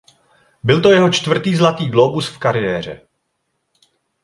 Byl to jeho čtvrtý Zlatý glóbus v kariéře.